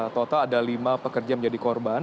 total ada lima pekerja yang menjadi korban